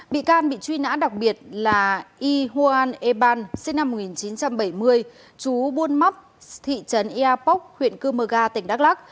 bị can bị truy nã đặc biệt là y hoan e ban sinh năm một nghìn chín trăm bảy mươi chú buôn móc thị trấn iapok huyện cư mơ ga tỉnh đắk lắc